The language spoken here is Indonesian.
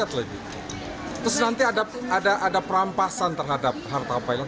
terus nanti ada perampasan terhadap harta pilot